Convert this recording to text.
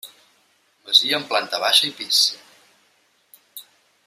Masia amb planta baixa i pis.